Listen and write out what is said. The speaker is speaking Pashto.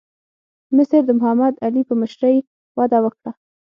مصر د محمد علي په مشرۍ وده وکړه.